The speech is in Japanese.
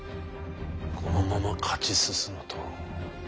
このまま勝ち進むと。